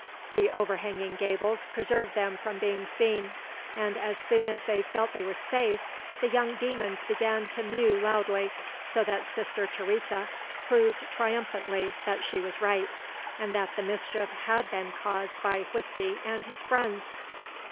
The overhanging gables preserved them from being seen, and as soon as they felt they were safe, the young demons began to mew loudly, so that Sister Thérèse proved triumphantly that she was right, and that the mischief had been caused by Whisky and his friends!